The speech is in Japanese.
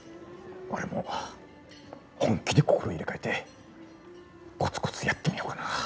俺も本気で心入れ替えてコツコツやってみようかな。